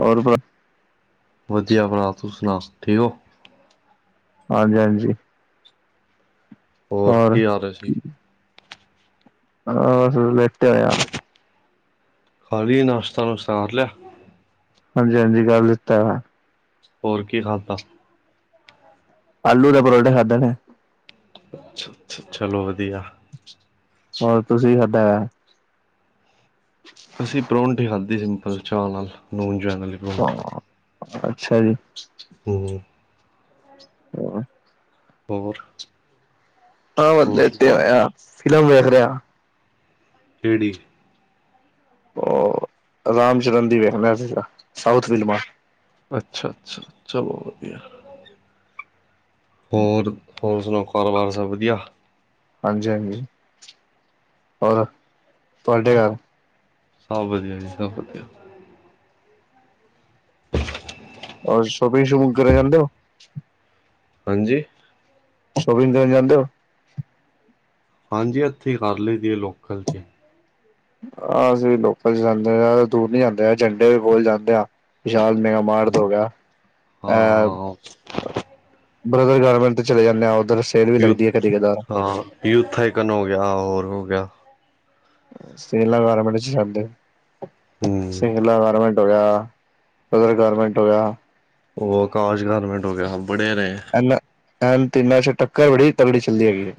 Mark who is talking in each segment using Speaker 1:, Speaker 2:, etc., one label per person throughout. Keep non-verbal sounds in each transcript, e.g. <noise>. Speaker 1: ਹੋਰ ਫਿਰ
Speaker 2: ਵਧੀਆ ਪਰਾ, ਤਸੀਂ ਸੁਣਾਓ ਠੀਕ ਹੋ?
Speaker 1: ਹਾਂਜੀ-ਹਾਂਜੀ।
Speaker 2: ਹੋਰ, ਕਿ ਹਾਲ ਏ-
Speaker 1: ਬਸ ਲੇਟੀਆਂ ਹੋਇਆ।
Speaker 2: ਖਾਲੀ, ਨਾਸ਼ਤਾ-ਵਾਸ਼ਤਾ ਕਰ ਲਿਆ।
Speaker 1: ਹਾਂਜੀ-ਹਾਂਜੀ ਕਰ ਲਿਤਾ ਹੈਗਾ।
Speaker 2: ਹੋਰ, ਕੀ ਖਾਦਾ?
Speaker 1: ਆਲੂ ਦੇ ਪਰੌਠੇ ਖਾਂਦੇ ਨੇ।
Speaker 2: ਅੱਛਾ-ਅੱਛਾ ਚਲੋ ਵਧੀਆ।
Speaker 1: ਹੋਰ, ਤੁਸੀਂ ਕੀ ਖਾਧਾ?
Speaker 2: ਅਸੀਂ ਪਰੌਂਠੀ ਖਾਧੀ, ਸਿੰਪਲ ਚਾਹ ਨਾਲ- ਨੂਨ ਜਵੈਨ ਵਾਲੀ ਪਰੌਂਠੀ
Speaker 1: ਅੱਛਾ ਜੀ।
Speaker 2: <unintelligible>
Speaker 1: <unintelligible>
Speaker 2: ਹੋਰ?
Speaker 1: ਅ, ਬਸ
Speaker 2: ਹੋਰ ਸੁਣਾਓ
Speaker 1: ਲੇਟਿਆ ਹੋਇਆ। ਫਿਲਮ ਵੇਖ ਰਿਹਾ।
Speaker 2: ਕਿਹੜੀ?
Speaker 1: ਉਹ, ਰਾਮ ਚਰਨ ਦੀ ਵੇਖ ਰਿਹਾ ਸੀਗਾ। ਸਾਊਥ ਫਿਲਮਾਂ-
Speaker 2: ਅੱਛਾ-ਅੱਛਾ, ਚਲੋ ਵਧੀਆ। ਹੋਰ, ਹੋਰ ਸੁਣਾਓ? ਕਾਰੋਬਾਰ ਸਭ ਵਧੀਆ?
Speaker 1: ਹਾਂਜੀ- ਹਾਂਜੀ, ਹੋਰ ਤੁਹਾਡੇ ਘਰ?
Speaker 2: ਸਭ ਵਧੀਆ ਜੀ, ਸਭ ਵਧੀਆ।
Speaker 1: ਔਰ ਸ਼ੋਪਿੰਗ -ਸ਼ਪਿੰਗ ਕਰਨ ਜਾਂਦੇ ਹੋ?
Speaker 2: ਹਾਂਜੀ।
Speaker 1: ਸ਼ੋਪਿੰਗ ਕਰਨ ਜਾਂਦੇ ਓ?
Speaker 2: ਹਾਂਜੀ, ਇੱਥੇ ਹੀ ਕਰ ਲਈ ਦੀ ਏ, ਲੋਕਲ 'ਚ ਈ।
Speaker 1: ਹਾਂ, ਅਸੀਂ ਵੀ ਲੋਕਲ ਜਾਂਦੇ ਆਂ। ਦੂਰ ਨੀ ਜਾਂਦੇ ਆ। ਝੰਡੇ ਦੇ ਕੋਲ ਜਾਂਦੇ ਆ। ਵਿਸ਼ਾਲ ਮੇਗਾ ਮਾਰਟ
Speaker 2: ਹਾਂ
Speaker 1: ਤੋਂ ਹੋ ਗਿਆ।
Speaker 2: ਹਾਂ
Speaker 1: ਇਹ ਬ੍ਰਦਰ ਗਾਰਮੈਂਟਸ ਤੇ ਚਲੇ ਜਾਂਦੇ ਆਂ। ਉੱਧਰ ਅਸ -
Speaker 2: ਯੂਥ ਹਾਂ, ਯੂਥ ਹਾਈਕੇਨ ਹੋ ਗਿਆ, ਹੋਰ ਹੋ ਗਿਆ।
Speaker 1: ਸਿੰਗਲਾ ਗਾਰਮੈਂਟ ਚ ਸ਼ਬਦ
Speaker 2: ਹੂੰ
Speaker 1: ਏ--ਸਿੰਗਲਾ ਗਾਰਮੈਂਟ ਹੋ ਗਿਆ, ਬ੍ਰਦਰ ਗਾਰਮੈਂਟ ਹੋ ਗਿਆ।
Speaker 2: ਉਹ ਅਕਾਸ਼ ਗਾਰਮੈਂਟ ਹੋ ਗਿਆ। ਬੜੇ ਨੇ
Speaker 1: ਇਨ ਤਿੰਨਾਂ ਚ ਟੱਕਰ ਬੜੀ ਤਗੜੀ ਚੱਲਦੀ ਹੈਗੀ ਏ।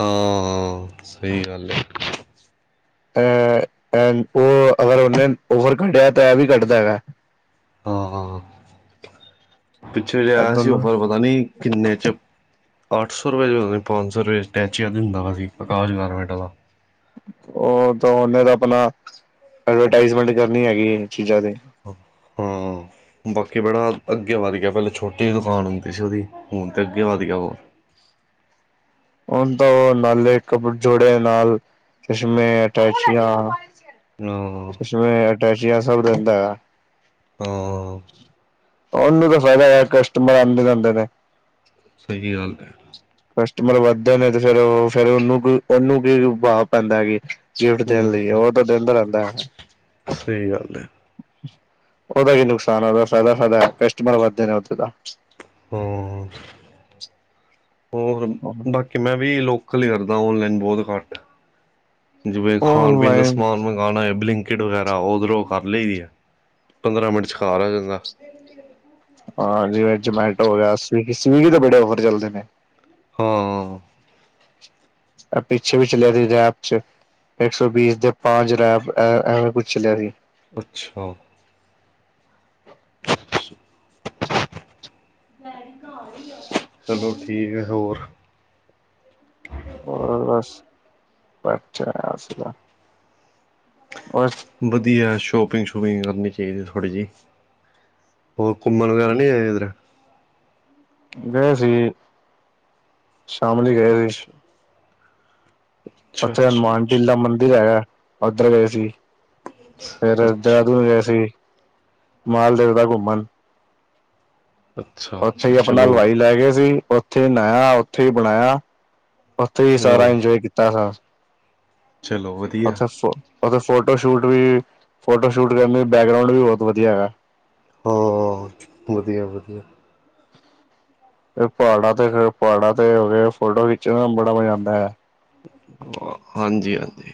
Speaker 2: ਹਾਂ, ਸਹੀ ਗੱਲ ਏ।
Speaker 1: ਏ, ਏ ਉਹ ਅਗਰ ਉਹਨੇ ਓਵਰ ਘੰਟਿਆ ਦਾ ਟਾਇਮ ਵੀ ਕੱਢਦਾ ਹੈਗਾ।
Speaker 2: ਹਾਂ -ਹਾਂ, ਪਿੱਛੇ ਜਿਹਾ ਆਇਆ ਸੀ।
Speaker 1: ਦੋਨੋ
Speaker 2: ਓਫਰ ਪਤਾ ਨੀ ਕਿੰਨੇ ਚ- ਅੱਠ ਸੌ ਰੁਪਏ ਚ, ਉਹ ਪੰਜ ਸੌ ਰੁਪਏ ਅਟੈਚੀਆਂ ਵਾ ਸੀ ਪ੍ਰਕਾਸ਼ ਗਾਰਮੈਂਟ ਵਾਲਾ?
Speaker 1: ਉਹ ਤਾਂ, ਉਹਨੇ ਤਾਂ ਆਪਣਾ ਐਡਵਰਟਾਈਜ਼ਮੈਂਟ ਕਰਨੀ ਹੈਗੀ ਚੀਜ਼ਾਂ ਦੀ
Speaker 2: ਹਾਂ, ਬਾਕੀ ਬੜਾ ਅੱਗੇ ਵੱਧ ਗਿਆ, ਪਹਿਲੇ ਛੋਟੀ ਜਿਹੀ ਦੁਕਾਨ ਹੁੰਦੀ ਸੀ, ਉਹਦੀ ਹੁਣ ਤਾਂ, ਅੱਗੇ ਵੱਧ ਗਿਆ ਹੋਰ।
Speaker 1: ਹੁਣ ਤਾਂ, ਉਹ ਲਾ ਲਏ ਜੋੜੇ ਨਾਲ ਚਸ਼ਮੇ, ਅਟੈਚੀਆਂ
Speaker 2: ਹਾਂ
Speaker 1: ਚਸ਼ਮੇ, ਅਟੈਚੀਆਂ ਸਭ ਰੱਖਦਾ ਹੈ।
Speaker 2: ਹਾਂ।
Speaker 1: ਉਹਨੂੰ ਤਾਂ ਫ਼ਾਇਦਾ ਹੈ, ਕਸਟਮਰ ਆਉੰਦੇ ਰਹਿੰਦੇ ਨੇ।
Speaker 2: ਸਹੀ, ਗੱਲ ਹੈ।
Speaker 1: ਕਸਟਮਰ ਵੱਧਦੇ ਨੇ ਤੇ, ਫਿਰ ਉਹਨੂੰ ਫਿਰ ਉਹਨੂੰ ਕੀ ਉਹਨੂੰ ਕੀ ਪ੍ਰਭਾਵ ਪੈਂਦਾ ਹੈਗੇ। ਗਿਫਟ ਦੇਣ ਲਈ,
Speaker 2: ਹਮ
Speaker 1: ਉਹ ਤਾਂ ਦਿੰਦਾ ਰਹਿੰਦਾ।
Speaker 2: ਸਹੀ, ਗੱਲ ਹੈ।
Speaker 1: ਉਹਦਾ ਕੀ ਨੁਕਸਾਨ ਹੈ, ਉਹਦਾ ਫਾਇਦਾ- ਫਾਇਦਾ ਕਸਟਮਰ ਵੱਧਦੇ ਨੇ, ਉੱਥੇ ਤਾਂ
Speaker 2: <unintelligible> ਕਿ ਮੈਂ ਵੀ ਲੋਕਲ ਹੀ ਕਰਦਾ, ਓਨਲਾਈਨ ਬਹੁਤ ਘੱਟ ਜਿਵੇਂ ਖਾਣ -ਪੀਣ ਦਾ
Speaker 1: ਔਨਲਾਈਨ
Speaker 2: ਸਮਾਨ ਖਾਣਾ ਬਲਿੰਕਿਟ ਵਗੈਰਾ, ਉਹ ਉਧਰੋਂ ਕਰ ਲਈ ਦੀ ਹੈ, ਪੰਦਰਾਂ ਮਿੰਟ ਚ ਘਰ ਆ ਜਾਂਦਾ।
Speaker 1: ਹਾਂ, ਜਿਵੇਂ ਜਮੈਟੋ ਹੋ ਗਿਆ, ਸਵੀਗੀ, ਸਵੀਗੀ ਤੇ ਬੜੇ ਆਫਰ ਚੱਲਦੇ ਨੇ।
Speaker 2: ਹਾਂ।
Speaker 1: ਐ ਪਿੱਛੇ, ਵੀ ਚੱਲਿਆ ਸੀ ਰੈਪ ਚ। ਇੱਕ ਸੌ ਬੀਸ ਦੇ, ਪਾਂਚ ਰੈਪ, ਐਵੇਂ ਕੁਛ ਚਲਿਆ ਸੀ।
Speaker 2: ਅੱਛਾ। ਚਲੋ, ਠੀਕ ਹੈ ਹੋਰ?
Speaker 1: ਹੋਰ ਬਸ ਅਛਾਗਾ ਹੋ
Speaker 2: ਵਧੀਆ ਸ਼ੋਪਿੰਗ ਸ਼ੂਪਿੰਗ ਕਰਨੀ ਚਾਹੀਦੀ ਥੋੜ੍ਹੀ ਜਿਹੀ ਹੋਰ ਘੁੰਮਣ ਵਗੈਰਾ ਨੀ ਆਏ ਇੱਧਰ
Speaker 1: ਗਏ ਸੀ ਸ਼ਾਮ ਲਈ ਗਏ ਸੀ
Speaker 2: ਅੱ
Speaker 1: ਉੱਥੇ ਹਨੁਮਾਨ ਢੀਲਾ ਮੰਦਿਰ ਹੈਗਾ ਉੱਧਰ ਗਏ ਸੀ
Speaker 2: ਅੱਛਾ
Speaker 1: ਫੇਿਰ
Speaker 2: ਅੱਛਾ
Speaker 1: ਦਹਰਾਦੂ ਨੂੰ ਗਏ ਸੀ ਮਾਲਦੇਵ ਦਾ ਘੁੰਮਣ
Speaker 2: ਅੱਛਾ
Speaker 1: ਉੱਥੇ
Speaker 2: ਅੱਛਾ
Speaker 1: ਹੀ ਆਪਣਾ
Speaker 2: ਚਲੋ
Speaker 1: ਲਵਾਈ ਲੈ ਕੇਏ ਸੀ ਉੱਥੇ ਹੀ ਨਾਇਆ ਉੱਥੇ ਹੀ ਬਣਾਇਆ ਉੱਥੇ ਹੀ ਸਾਰਾ
Speaker 2: ਉਹ
Speaker 1: ਇੰਜੋਏ ਕੀਤਾ ਸੀ
Speaker 2: ਚਲੋ ਵਧੀਆ
Speaker 1: ਉੱਥੇ ਉੱਥੇ ਫੋਟੋ ਸ਼ੂਟ ਵੀ ਫੋਟੋ ਸ਼ੂਟ ਕਰਨ ਬੈਕਗਰਾਉਂਡ ਵੀ ਬਹੁਤ ਵਧੀਆ ਹੈਗਾ
Speaker 2: ਹਾਂ ਵਧੀਆ ਵਧੀਆ
Speaker 1: ਫ ਪਹਾੜਾਂ ਤੇ ਫ ਪਹਾੜਾਂ ਤੇ ਹੋ ਗਏ ਫੋਟੋ ਖਿੱਚਣ ਬੜਾ ਮਜ਼ਾ ਆਂਦਾ ਹੈ
Speaker 2: ਹਾਂਜੀ ਹਾਂਜੀ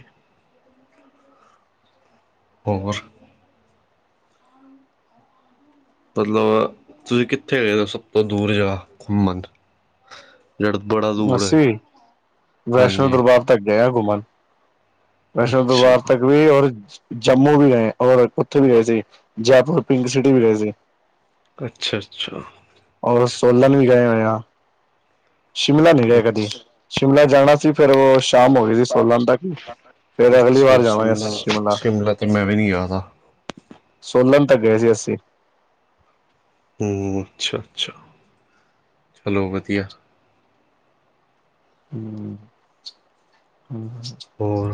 Speaker 2: ਹੋਕੁਰ ਮਤਲਬ ਤੁਸੀਂ ਕਿੱਥੇ ਗਏ ਹੋ ਸਭ ਤੋਂ ਦੂਰ ਜਗ੍ਹਾ ਘੁੰਮਣ ਜੜ ਬੜ
Speaker 1: ਅੱਸੀ ਵੈਸ਼ਨੋ ਦਰਬਾਰ ਤੱਕ ਗਏ ਘੁੰਮਣ ਵੈਸ਼ਨੋ
Speaker 2: ਅੱਛਾ
Speaker 1: ਦਰਬਾਰ ਤੱਕ ਵੀ ਔਰ ਜੰਮੂ ਵੀ ਗਏ ਔਰ ਉੱਥੇ ਵੀ ਗਏ ਸੀ ਜੈਪੁਰ ਪਿੰਕ ਸਿਟੀ ਵੀ ਗਏ ਸੀ
Speaker 2: ਅੱਛਾ ਅੱਛਾ
Speaker 1: ਔਰ ਸੋਲਨ ਨੂੰ ਵੀ ਗਏ ਹੋਏਣਾ ਸ਼ਿਮਲਾ ਨਹੀਂ ਗਏ ਕਦੇ
Speaker 2: ਅੱਛਾ
Speaker 1: ਸ਼ਿਮਲਾ ਜਾਣਾ ਸੀ ਫੇਿਰ ਉਹ ਸ਼ਾਮ ਹੋ ਗਈ ਸੀ ਸੋਲਾਂ ਤੱਕ ਫੇਰ ਅਗਲੀ ਵਾਰ ਜਾਵਾਂਗੇ ਸ਼ਿਮਲਾ
Speaker 2: ਅਤੇ ਮੈਂ ਵੀ ਨਹੀਂ ਜਾਦਾ
Speaker 1: ਸੋਲਨ ਤੱਕ ਗਏ ਸੀ ਅਸੀਂ
Speaker 2: ਹ ਅੱਛਾ ਅੱਛਾ ਚਲੋ ਵਧੀਆ
Speaker 1: ਹਮ ਹਮ
Speaker 2: ਹੋਰ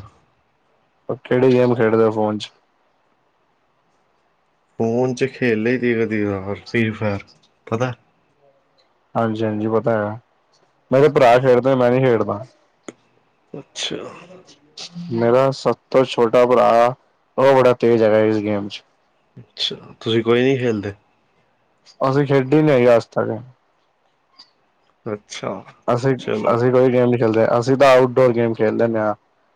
Speaker 1: ਕਿਹੜੀ ਗੇਮ ਖੇਡਦੇ ਫੋਨ ਚ
Speaker 2: ਫੋਨ ਚ ਖੇਲੇ ਦੀ ਕਦੀ ਫਰੀ ਫਾਇਰ, ਪਤਾ
Speaker 1: ਹਾਂਜੀ-ਹਾਂਜੀ ਓਤਾਂ ਹੈ, ਮੇਰੇ ਭਰਾ ਖੇਡਦੇ ਮੈਂ ਨੀ ਖੇਡਦਾ
Speaker 2: ਅੱਛਾ
Speaker 1: ਮੇਰਾ ਸਭ ਤੋਂ ਛੋਟਾ ਭਰਾ, ਉਹ ਬੜਾ ਤੇਜ਼ ਹੈਗਾ ਇਸ ਗੇਮ ਚ
Speaker 2: ਅੱਛਾ ਤੁਸੀਂ ਕੋਈ ਨਹੀਂ ਖੇਲਦੇ
Speaker 1: ਅਸੀਂ ਖੇਡੀ ਨਹੀਂ ਅੱਜ ਤੱਕ
Speaker 2: ਅੱਛਾ ਚਲੋ
Speaker 1: ਅਸੀਂ-ਅਸੀਂ ਕੋਈ ਗੇਮ ਨੀ ਖੇਲਦੇ ਅਸੀਂ ਤਾਂ ਆਊਟਡੋਰ ਗੇਮ ਖੇਲ ਲੈਂਦੇ ਹਾਂ,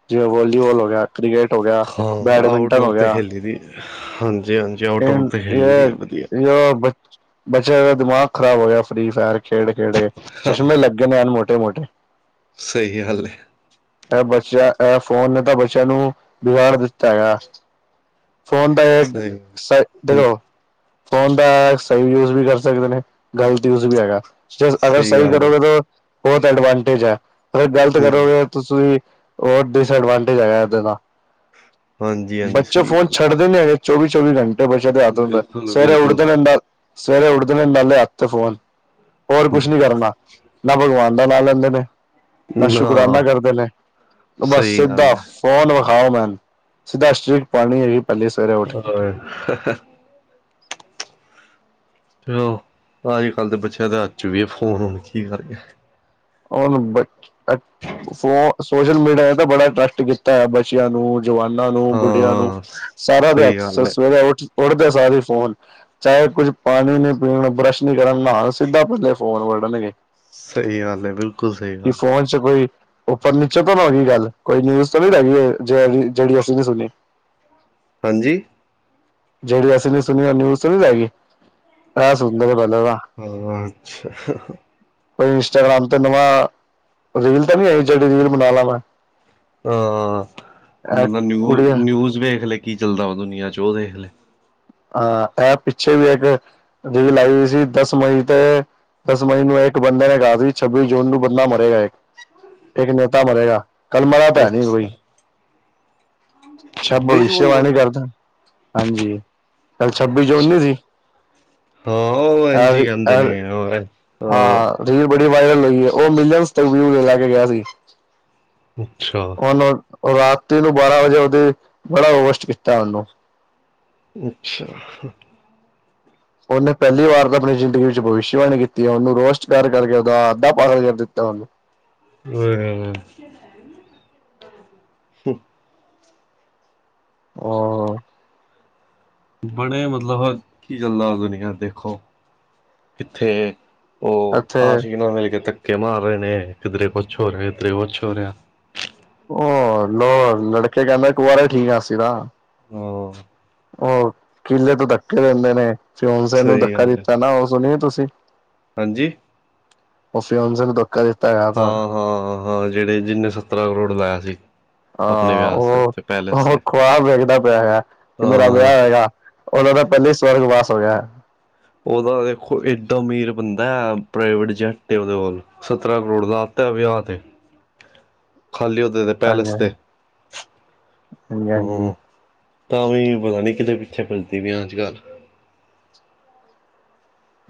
Speaker 1: ਜਿਵੇਂ ਵੋਲੀਬਲ ਹੋ ਗਿਆ ਕ੍ਰਿਕਟ ਹੋ ਗਿਆ, ਬੈਡਮਿੰਟਨ ਹੋ ਗਿਆ
Speaker 2: ਹਾਂਜੀ-ਹਾਂਜੀ
Speaker 1: ਤੀਨ ਇਹ, ਸੀਰਾਫਤ ਬੱਚਾ ਦਾ ਦਿਮਾਗ ਖ਼ਰਾਬ ਹੋ ਗਿਆ ਫ੍ਰਰੀ ਫਾਯਰ ਖੇਡ-ਖੇਡੇ,
Speaker 2: ਹਾਂ
Speaker 1: ਚਸ਼ਮੇ ਲੱਗੇ ਨੇ ਹਨ ਮੋਟੇ-ਮੋਟੇ-
Speaker 2: ਸਹੀ ਹੈ ਹਾਲ।
Speaker 1: ਇਹ ਬੱਚਿਆਂ ਇਹ ਫੋਨ ਨੇ ਤਾਂ ਬੱਚਿਆਂ ਨੂੰ ਵਿਗਾੜ ਦਿੱਤਾ ਹੈ। ਫੋਨ ਦਾ
Speaker 2: ਸਹੀ ਹੂੰ
Speaker 1: ਸੀਆਪਾ ਫੋਨ ਦਾ ਸਹੀ ਯੂਜ ਵੀ ਕਰ ਸਕਦੇ ਨੇ, ਗ਼ਲਤ ਯੂਜ ਵੀ ਹੈਗਾ। ਅਗਰ ਸਹੀ
Speaker 2: ਗੱਲ ਹੈ
Speaker 1: ਕਰੋਗੇ ਤਾਂ, ਬਹੁਤ ਐਡਵਾਂਟੇਜ ਹੈ, ਅਗਰ ਗ਼ਲਤ
Speaker 2: ਹੂੰ
Speaker 1: ਕਰੋਗੇ ਤੁਸੀਂ। ਹੋਰ ਡਿਸਐਡਵਾਂਟੇਜ ਹੈਗਾ, ਇਹਦੇ ਦਾ
Speaker 2: ਹਾਂਜੀ ਹਾਂਜੀ
Speaker 1: ਬੱਚੇ
Speaker 2: ਸਹੀ
Speaker 1: ਫੋਨ
Speaker 2: ਗੱਲ
Speaker 1: ਛੱਡਦੇ ਨੇ। ਚੋਵੀ-ਚੋਵੀ ਘੰਟ ਬੱਚਿਆਂ ਦੇ
Speaker 2: ਹੈ
Speaker 1: ਹੱਥ ਹੁੰਦੇ
Speaker 2: ਬਿਲਕੁਲ
Speaker 1: ਸਵੇਰੇ
Speaker 2: ਬਿਲਕੁਲ
Speaker 1: ਨਾਲ- ਸਵੇਰੇ ਉੱਠਦੇ ਨੇ ਨਾਲੇ ਹੱਥ ਫੋਨ, ਹੋਰ ਕੁਛ ਨੀ ਕਰਨਾ। ਨਾ ਭਗਵਾਨ ਦਾ ਨਾਮ ਲੈਂਦੇ ਨੇ ਨਾ ਸ਼ੁਕਰਾਨਾ
Speaker 2: ਹਾਂ
Speaker 1: ਕਰਦੇ ਨੇ, ਬਸ
Speaker 2: ਸਹੀ ਗੱਲ
Speaker 1: ਸਿੱਧਾ।
Speaker 2: ਹੈ
Speaker 1: ਕੋਣ ਵਖਾਓ ਮੈ ਸਿੱਧਾ ਸਟ੍ਰਿਕ ਪਾਣੀ ਹੈਗੀ ਪਲੇ
Speaker 2: ਚਲੋ ਫੇਰ। ਚਲੋ ਅੱਜ-ਕੱਲ੍ਹ, ਦੇ ਬੱਚਿਆਂ ਤੇ ਹੱਥ ਵਿੱਚ ਵੀ ਆ ਫੋਨ ਹੋਣਾ ਚਾਹੀਦਾ।
Speaker 1: ਹ ਫ ਸੋਸ਼ਲ ਮੀਡੀਆ ਨੇ ਤਾਂ ਬੜਾ ਟੈਕਟ ਕੀਤਾ ਹੈ ਬੱਚਿਆਂ ਨੂੰ ਜਵਾਨਾਂ ਨੂੰ, ਬੁੱਡੀਆਂ ਨੂੰ
Speaker 2: ਹਾਂ
Speaker 1: ਸਾਰਾ ਦੇ
Speaker 2: ਸਹੀ
Speaker 1: ਹੱਥ
Speaker 2: ਗੱਲ ਹੈ
Speaker 1: ਸਵੇਰੇ ਉੱਠ-ਉੱਠਦੇ ਸਾਰ ਹੀ ਫੋਨ। ਚਾਹੇ ਕੁੱਝ ਪਾਣੀ ਨੀ ਪੀਣ ਬਰੱਸ਼ ਨੀ ਕਰਨ ਨ ਸਿੱਧਾ ਪੱਲੇ ਫੋਨ ਵਢਣਗੇ
Speaker 2: ਸਹੀ ਗੱਲ ਹੈ ਬਿਲਕੁਲ। ਸਹੀ
Speaker 1: ਕਿ
Speaker 2: ਗੱਲ
Speaker 1: ਫੋਨ ਚ ਕੋਈ। ਉਹ ਫਰਨੀਚਰ ਤੋਂ ਨਾ ਹੈ ਗਈ ਗੱਲ ਕੋਈ ਨਿਊਜ਼ ਤੋਂ ਨੀ ਰਹਿ ਗਈ ਜ ਜਿਹੜੀ ਅਸੀਂ ਨੀ ਸੁਣੀ।
Speaker 2: ਹਾਂਜੀ?
Speaker 1: ਜਿਹੜੀ ਅਸੀਂ ਨੀ ਸੁਣੀ ਉਹ ਨਿਊਜ਼ ਤੇ ਨਹੀਂ ਰਹਿ ਗਈ ਆ ਸੁਣਦੇ ਨੇ ਮਤਲਬ ਆ।
Speaker 2: ਅੱਛਾ।
Speaker 1: ਕੋਈ ਇੰਸਟਾਗ੍ਰਾਮ ਤੇ ਨਵਾਂ, ਰੀਲ ਤਾਂ ਨੀ ਆਈ ਜਿਹੜੀ ਰੀਲ ਬਣਾ ਲਾਵਾ ਮੈਂ।
Speaker 2: ਹਾਂ,
Speaker 1: ਇਹ
Speaker 2: ਬੰਦਾ
Speaker 1: ਕੁੜੀ ਹਾਂ
Speaker 2: ਨਿਊ-ਨਿਊਜ਼ ਵੇਖ ਲਏ ਕੀ ਚੱਲਦਾ ਵ ਦੁਨੀਆਂ ਚ ਉਹ ਦੇਖ ਲਏ।
Speaker 1: ਹਾਂ, ਇਹ ਪਿੱਛੇ ਵੇਖ ਜਿਹੜੀ ਲਾਈ ਹੋ ਸੀ ਦਸ ਮਈ ਤੇ। ਦਸ ਮਈ ਨੂੰ ਇੱਕ ਬੰਦੇ ਨੇ ਕਿਹਾ ਸੀ ਛੱਬੀ ਜੂਨ ਨੂੰ ਬੰਦਾ ਮਰੇਗਾ, ਇੱਕ-ਇੱਕ ਨੇਤਾ ਮਰੇਗਾ। ਕੱਲ ਮਰਿਆ ਤਾਂ ਹੈ ਨਹੀਂ ਕੋਈ,
Speaker 2: ਅੱਛਾ ਛੱਬੀ ਜੂਨ ਨੂੰ
Speaker 1: ਭਵਿਸ਼ਯਵਾਣੀ ਕਰਦਾ। ਹਾਂਜੀ ਕੱਲ ਜੂਨ ਨਹੀਂ ਸੀ
Speaker 2: ਹਾਂ ਉਹ ਇੰਜੀ
Speaker 1: ਇਹ-
Speaker 2: ਕਹਿੰਦੇ ਨੇ
Speaker 1: ਇਹ-
Speaker 2: ਹੋਰ।
Speaker 1: ਹਾਂ ਰੀਲ ਬੜੀ ਵਾਇਰਲ ਹੋਈ ਹੈ। ਉਹ ਮਿਲੀਅਨ <inaudible> ਵੀ ਲੈ ਕੇ ਗਿਆ ਸੀ।
Speaker 2: ਅੱਛਾ
Speaker 1: ਉਹਨੂੰ ਰਾਤੀ ਨੂੰ ਬਾਰਾਂ ਵਜੇ ਉਹਦੀ ਬੜਾ ਰੋਸਟ ਕੀਤਾ ਉਹਨੂੰ।
Speaker 2: ਅੱਛਾ।
Speaker 1: ਉਹਨੇ ਪਹਿਲੀ ਵਾਰ ਤਾਂ ਆਪਣੀ ਜ਼ਿੰਦਗੀ ਵਿੱਚ ਭਵਿਸ਼ਵਾਣੀ ਕੀਤੀ ਹੈ ਉਹਨੂੰ ਰੋਸਟ ਕਰਕੇ ਉਹਦਾ ਅੱਧਾ ਪਾਗਲ ਕਰ ਦਿੱਤਾ ਉਹਨੂੰ।
Speaker 2: ਕੋਈ ਗੱਲ ਨਹੀਂ।
Speaker 1: ਹੋਰ?
Speaker 2: ਬੜਾ ਮਤਲਬ, ਕੀ ਚੱਲਦਾ ਦੁਨੀਆਂ ਦੇਖੋ, ਕਿੱਥੇ। ਉਹ
Speaker 1: ਇੱਥੇ
Speaker 2: ਆਸ਼ਿਕ ਨਾਲ ਮਿਲ ਕੇ ਧੱਕੇ ਮਾਰ ਰਹੇ ਨੇ ਕਿਧਰੇ ਕੁਛ ਹੋ ਰਿਹਾ, ਕਿੱਧਰੇ ਕੁਛ ਹੋ ਰਿਹਾ।
Speaker 1: ਹੋਰ ਨਾ ਲੜਕੇ ਕਹਿੰਦੇ ਕੁਆਰੇ ਠੀਕ ਆ ਅਸੀਂ ਤਾਂ।
Speaker 2: ਹਾਂ।
Speaker 1: ਉਹ ਕਿਲੇੇ ਤੋਂ ਧੱਕੇ ਦਿੰਦੇ ਨੇ ਫਿਆਂਸੀ ਨੂੰ
Speaker 2: ਸਹੀ
Speaker 1: ਧੱਕਾ
Speaker 2: ਗੱਲ ਹੈ
Speaker 1: ਦਿੱਤਾ ਨਾ ਉਹ ਸੁਣੀਏ ਏ ਤੁਸੀਂ।
Speaker 2: ਹਾਂਜੀ।
Speaker 1: ਉਹ ਫੀਆਂਸੀ ਨੂੰ ਧੱਕਾ ਦਿੱਤਾ ਜਾ
Speaker 2: ਹਾਂ
Speaker 1: ਤਾਂ।
Speaker 2: ਹਾਂ ਹਾਂ ਜਿਹੜੇ ਜਿਹਨੇ ਸੱਤਰਾਂ ਕਰੋੜ ਲਾਇਆ ਸੀ। ਆਪਣੇ
Speaker 1: ਹਾਂ
Speaker 2: ਵਿਆਹ ਤੇ
Speaker 1: ਉਹ
Speaker 2: ਉੱਥੇ ਪੈਲੇਸ
Speaker 1: ਉਹ
Speaker 2: ਤੇ
Speaker 1: ਖੁਆਬ ਵੇਖਦਾ ਪਿਆ ਹੈਗਾ। ਕਿ ਮੇਰਾ
Speaker 2: ਹਾਂ
Speaker 1: ਵਿਆਹ ਹੋਏਗਾ। ਉਹ ਦਾ ਪਹਿਲੇ ਹੀ ਸਵਰਗ ਵਾਸ ਹੋ ਗਿਆ ਹੈ।
Speaker 2: ਉਹਦਾ ਦੇਖੋ ਏਡਾ ਅਮੀਰ ਬੰਦਾ ਪ੍ਰਾਈਵੇਟ ਜੈਟ ਏ ਉਹਦੇ ਕੋਲ। ਸੱਤਰਾਂ ਕਰੋੜ ਲਾ ਦਿੱਤਾ ਵਿਆਹ 'ਤੇ। ਖਾਲੀ ਉਦੇ ਦੇ
Speaker 1: ਹਾਂਜੀ
Speaker 2: ਪੈਲੇਸ ਤੇ
Speaker 1: ਹਾਂਜੀ ਹਾਂਜੀ ਹਾਂਜੀ
Speaker 2: ਹੋਰ। ਤਾਂ ਵੀ ਪਤਾ ਨੀ ਕਿਦੇ ਪਿੱਛੇ ਫਿਰਦਿਆਂ ਪਈਆ ਅੱਜਕੱਲ।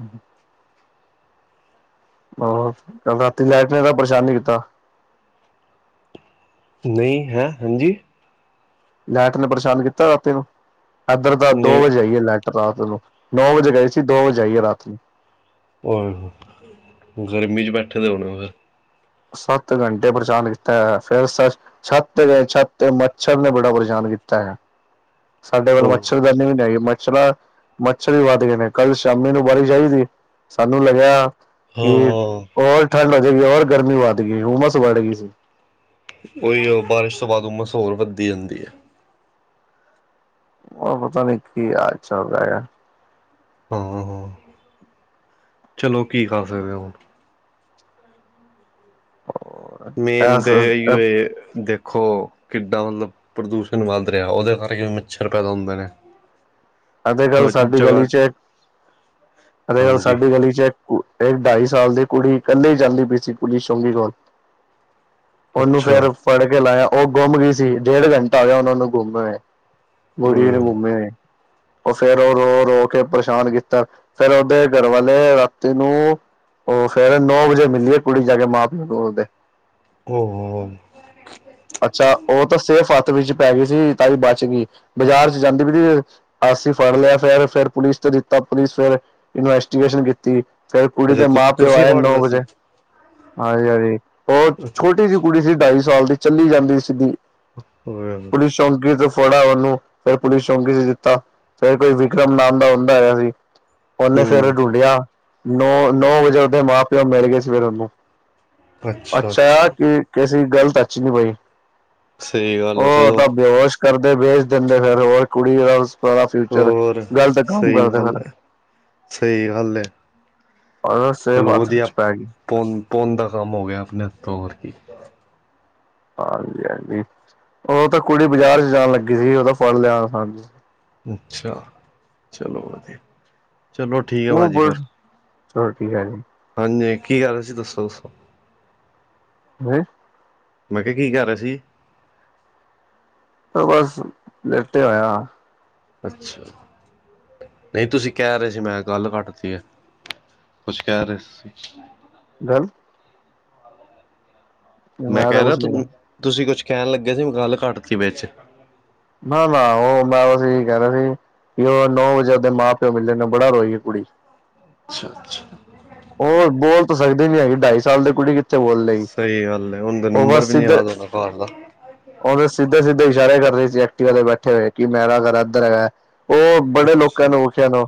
Speaker 1: ਹੂੰ। ਹਾਂ ਕੱਲ ਰਾਤੀ ਲਾਈਟ ਨੇ ਤੇ ਪਰੇਸ਼ਾਨ ਨਹੀਕੀਤਾ।
Speaker 2: ਨਹੀਂ ਹੈਂ ਹਾਂਜੀ।
Speaker 1: ਲਾਈਟ ਨੇ ਪਰੇਸ਼ਾਨ ਕੀਤਾ ਰਾਤੀਂ ਨੂੰ ਇਧਰ ਤਾਂ ਦੋ
Speaker 2: ਨਹੀਂ
Speaker 1: ਵਜੇ ਆਈਏ ਲਾਈਟ। ਰਾਤ ਨੂੰ ਨੌ ਵਜੇ ਗਈ ਸੀ। ਦੋ ਵਜੇ ਆਈਏ ਰਾਤ ਨੂੰ।
Speaker 2: ਓਏ ਹੋਏ ਗਰਮੀ 'ਚ ਬੈਠੇ ਦੇ ਹੋਣੇ ਨੇ।
Speaker 1: ਸੱਤ ਘੰਟੇ ਪਰੇਸ਼ਾਨ ਕੀਤਾ ਹੋਇਆ ਫਿਰ। ਛੱਤ ਤੇ ਗਏ ਛੱਤ ਤੇ ਮੱਛਰ ਨੇ ਬੜਾ ਪਰੇਸ਼ਾਨ ਕੀਤਾ ਹੋਇਆ ਹੈ। ਸਾਡੇ ਕੋਲ
Speaker 2: ਫਿਰ
Speaker 1: ਮੱਛਰਦਾਨੀ ਵੀ ਨਹੀਂ ਹੈਗੀ ਮੱਛਰ। ਮੱਛਰ ਵੀ ਵੱਧ ਗਏ ਨੇ ਕੱਲ੍ਹ ਸ਼ਾਮੀ ਨੂੰ ਬਾਰਿਸ਼ ਆਈ ਚ ਸੀ ਸਾਨੂੰ ਲੱਗਿਆ ਕਿ।
Speaker 2: ਹਾਂ
Speaker 1: ਹੋਰ ਠੰਡ ਹੋ ਜਾਏਗੀ ਹੋਰ ਗਰਮੀ ਵੱਧ ਗਈ ਹੁੰਮਸ ਵੱਧ ਗਈ ਸੀ।
Speaker 2: ਉਹੀ ਬਾਰਿਸ਼ ਤੋਂ ਬਾਅਦ ਹੁੰਮਸ ਹੋਰ ਵੱਧਦੀ ਜਾਂਦੀ ਹੈ।
Speaker 1: ਹੁਣ ਪਤਾ ਨੀ ਕੀ ਹਾਲ ਚੱਲ ਰਿਹਾ ਗਾ।
Speaker 2: ਹਾਂ ਹਾਂ ਚਲੋ ਕੀ ਕਰ ਸਕਦੇ ਹਾਂ ਹੁਣ। ਮੇਨ ਤੇ
Speaker 1: ਹੈ
Speaker 2: ਇਹੀਏ ਦੇਖੋ। ਕਿੱਡਾ ਮਤਲਬ ਪ੍ਰਦੂਸ਼ਣ ਵੱਧ ਰਿਹਾ ਹੈ। ਉਹਦੇ ਕਰਕੇ ਮੱਛਰ ਪੈਦਾ ਹੁੰਦਾ ਨੇ।
Speaker 1: ਅੱਜ ਕੱਲ੍ਹ
Speaker 2: ਹਰ
Speaker 1: ਸਾਡੀ
Speaker 2: ਜਗ੍ਹਾ
Speaker 1: ਗਲੀ 'ਚ ਹੈ। ਅੱਜ ਕੱਲ੍ਹ
Speaker 2: ਹਾਂਜੀ
Speaker 1: ਸਾਡੀ ਗਲੀ 'ਚ ਹੈ। ਉਹ ਤੇ ਢਾਈ ਸਾਲ ਦੀ ਕੁੜੀ ਇਕੱਲੇ ਹੀ ਜਾਂਦੀ ਪਈ ਸੀ। ਪੁਲਿਸ ਚੌਕੀ ਕੋਲ। ਉਹਨੂੰ
Speaker 2: ਅੱਛਾ
Speaker 1: ਫੇਰ ਫੜ ਕੇ ਲਾਇਆ ਉਹ ਗੁੰਮ ਗਈ ਸੀ। ਡੇਢ ਘੰਟਾ ਹੋ ਗਿਆ ਉਹਨਾ ਨੂੰ ਗੁੰਮ ਹੋਏ। ਬੜੀ ਦੇਰ ਘੁੰਮੇ। ਉਹ ਫੇਰ ਉਹ ਰੋ ਰੋ ਕੇ ਪਰੇਸ਼ਾਨ ਕੀਤਾ ਫੇਰ ਉਹਦੇ ਘਰਵਾਲੇ ਰਾਤੀ ਨੂੰ। ਉਹ ਫੇਰ ਨੌ ਵਜੇ ਮਿਲੀਏ ਕੁੜੀ ਜਾ ਕੇ ਮਾਂ ਪਿਓ ਬੋਲਦੇ।
Speaker 2: ਉਹ ਹੋ।
Speaker 1: ਅੱਛਾ ਉਹ ਤਾਂ ਸੇਫ ਹੱਥ ਵਿੱਚ ਪੈ ਗਈ ਸੀ। ਤਾਂ ਹੀ ਬਚ ਗਈ ਬਾਜ਼ਾਰ 'ਚ ਜਾਂਦੀ ਵੀ। ਅਸੀ ਫੜ ਲਿਆ ਫਿਰ ਫਿਰ ਪੁਲਿਸ ਤੋਂ ਦਿੱਤਾ ਪੁਲਿਸ ਫਿਰ ਇਨਵੈਸਟੀਗੇਸ਼ਨ ਕੀਤੀ। ਫਿਰ ਕੁੜੀ
Speaker 2: ਅੱਛਾ
Speaker 1: ਦੇ ਮਾਂ ਪਿਓ
Speaker 2: ਤੁਸੀਂ
Speaker 1: ਆਏ
Speaker 2: ਫੜ
Speaker 1: ਨੌ
Speaker 2: ਲਿਆ
Speaker 1: ਵਜੇ।
Speaker 2: ਸੀ
Speaker 1: ਹਾਂਜੀ ਹਾਂਜੀ ਉਹ ਛੋਟੀ ਜਿਹੀ ਕੁੜੀ ਸੀ। ਢਾਈ ਸਾਲ ਦੀ ਚੱਲੀ ਜਾਂਦੀ ਸੀਗੀ।
Speaker 2: ਹੂੰ ਓਏ ਹੋਏ।
Speaker 1: ਪੁਲਿਸ ਸ਼ੌਕੀ ਤੋਂ ਫੜਾ ਉਹਨੂੰ ਫਿਰ ਪੁਲਿਸ ਸ਼ੌਂਕੀ 'ਚ ਦਿੱਤਾ। ਚਾਹੇ ਕੋਈ ਵਿਕਰਮ ਨਾਮ ਦਾ ਬੰਦਾ ਆਇਆ ਕੋਈ। ਓਨੇ ਫੇਰ ਡੂੰਡਿਆ ਨੌ ਨੌ ਵਜੇ ਉਹਦੇ ਮਾਂ ਪਿਓ ਮਿਲ ਗਏ ਸਵੇਰ ਉਹਨੂੰ। ਅੱਛਾ ਕਿ ਕਿਸੇ ਗੱਲ ਤੱਕ ਟੱਚ ਨਹੀਂ ਹੋਈ।
Speaker 2: ਸਹੀ ਗੱਲ ਹੈ
Speaker 1: ਉਹ
Speaker 2: ਚਲੋ
Speaker 1: ਤਾਂ ਬੇਹਸ਼ ਕਰਦੇ ਵੇਚ ਦਿੰਦੇ ਫੇਰ ਉਹ ਕੁੜੀ ਬਸ। ਵਾਲਾਂ ਫਿਊਚਰ
Speaker 2: ਹੋਰ
Speaker 1: ਗ਼ਲਤ ਕੰਮ
Speaker 2: ਸਹੀ
Speaker 1: ਕਰਦੇ
Speaker 2: ਗੱਲ
Speaker 1: ਫਿਰ।
Speaker 2: ਹੈ ਸਹੀ ਗੱਲ ਹੈ।
Speaker 1: ਉਹ ਤਾਂ ਸੇਫ
Speaker 2: ਚਲੋ
Speaker 1: ਹੱਥ
Speaker 2: ਵਧੀਆ
Speaker 1: ਵਿੱਚ ਪੈ ਗਈ।
Speaker 2: ਪੁੰਨ ਪੁੰਨ ਦਾ ਕੰਮ ਹੋ ਗਿਆ ਆਪਣੇ ਹੱਥੋਂ ਹੋਰ ਕੀ।
Speaker 1: ਹਾਂਜੀ ਹਾਂਜੀ ਉਹ ਤਾਂ ਕੁੜੀ ਬਾਜ਼ਾਰ 'ਚ ਜਾਣ ਲੱਗੀ ਸੀ। ਉਹ ਤਾਂ ਫੜ ਲਿਆ।
Speaker 2: ਅੱਛਾ ਚਲੋ ਵਧੀਆ ਚਲੋ ਠੀਕ ਹੈ
Speaker 1: ਉਹ
Speaker 2: ਭਾਜੀ
Speaker 1: ਬ
Speaker 2: ਫਿਰ
Speaker 1: ਟੀਕ ਹੈ ਜੀ
Speaker 2: ਹਾਂਜੀ ਕੀ ਕਰ ਰਹੇ ਸੀ ਦੱਸੋ ਦੱਸੋ
Speaker 1: <unintelligible>
Speaker 2: ਮੈਂ ਕਿਹਾ ਕੀ ਕਰ ਰਹਾ ਸੀ
Speaker 1: ਬਸ ਲੇਟ ਹੋਇਆ
Speaker 2: ਅੱਛਾ ਨਹੀਂ ਤੁਸੀਂ ਕਹਿ ਰਹੇ ਸੀ ਮੈਂ ਗੱਲ ਕੱਟਤੀ ਹੈ ਕੁਛ ਕਹਿ ਰਹੇ ਸੀ
Speaker 1: ਦਰ
Speaker 2: ਮੈਂ
Speaker 1: ਤਾਂ
Speaker 2: ਕਹਿ ਰਿਹਾ
Speaker 1: ਕੁਛ ਨੀ ਕਰ
Speaker 2: ਤੁਸੀਂ ਕੁਛ ਕਹਿਣ ਲੱਗੇ ਸੀ ਮੈਂ ਗੱਲ ਘੱਟ ਸੀ ਵਿਚ
Speaker 1: ਨਾ ਨਾ ਉਹ ਮੈਂਸੀ ਕਹਿ ਰ ਰਿ ਸੀ ਵੀ ਉਹ ਨੌ ਵਜੇ ਉਹਦੇ ਮਾਂ ਪਿਓ ਮਲੇ ਨੇ ਬੜਾ ਰੋਈ ਹੈ ਕੁੜੀ
Speaker 2: ਅੱਛਾ ਅੱਛਾ
Speaker 1: ਉਹਰ ਬੋਲ ਤਾਂ ਸਕਦੇ ਨੀ ਹੈਗੇ ਢਾਈ ਸਾਲ ਦੇ ਕੁੜੀ ਕਿਥ
Speaker 2: ਸਹੀ ਗੱਲ ਹੈ ਹੁਣ ਤੇ ਨੰਬਰ ਵੀ ਨੀ
Speaker 1: ਸਿੱਧੇ
Speaker 2: ਯਾਦ ਆਦਾ ਘਰ ਦਾ
Speaker 1: ਉਹਦੇ ਸਿੱਧੇ ਸਿੱਧੇ ਇਸ਼ਾਰੇ ਕਰ ਰਹੇ ਸੀ ਐਕ ਦੇ ਬੈਠੇ ਹੋਏ ਕਿ ਮੈਂਰਾ ਕਰਾ ਇੱਧਰ ਹੈਗਾ ਉਹ ਬੜੇ ਲੋਕਾਂ
Speaker 2: ਅੱਛਾ
Speaker 1: ਨੂੰ ਵਖਿਆ ਨੂੰ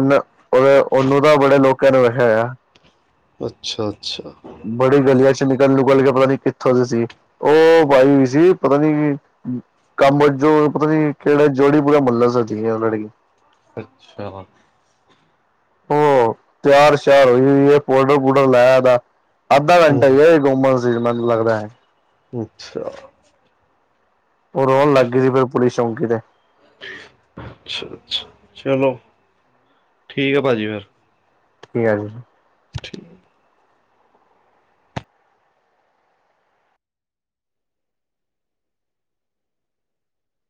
Speaker 1: ਨ ਉਹਦੇ ਉਹਨੂੰ ਤਾਂ ਬੜੇ ਲੋਕਾਂ ਨੇ ਵੇਖਿਆ
Speaker 2: ਅੱਛਾ ਅੱਛਾ
Speaker 1: ਬੜੀ ਗਲੀਆਂ ਚ ਨਿਕਲ ਨਿਕਲ ਕੇ ਪਤਾ ਨੀ ਕਿੱਥੋਂ ਦੇ ਸੀ ਉਹ ਬਾਈਈ ਸੀ ਪਤਾ ਨੀ ਕਾੰਮ ਵਜੋ ਪਤਾ ਨੀ ਕੇੜਾ ਜੋੜੀ ਪੂਰਾ ਮਲਾ <unintelligible>
Speaker 2: ਅੱਛਾ।
Speaker 1: ਓ ਤੇਆਰ ਸ਼ੇਆਰ ਹੋਈ ਓਈ ਏ, ਪੋਡਰ ਪੁਡਰ ਲਾਯਾ ਦਾ। ਅੱਧਾ ਘੰਟਾ
Speaker 2: ਹਮ
Speaker 1: <unintelligible> ਕੋਮਲ ਸੀ ਮੈਨੂੰ ਲੱਗਦਾ
Speaker 2: ਅੱਛਾ।
Speaker 1: ਉਹ ਰੋਣ ਲੱਗ ਗਈ ਫਿਰ ਪੁਿਸ ਚੌਂਕੀ ਤੇ
Speaker 2: ਅੱੱ ਚਲੋ ਠੀਕ ਹੈ ਭਾਜੀ ਫਿਰ
Speaker 1: <unintelligible>
Speaker 2: ਠੀਕ